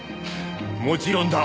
もちろんだ！